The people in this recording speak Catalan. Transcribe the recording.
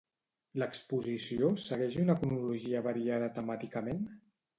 L'exposició segueix una cronologia variada temàticament?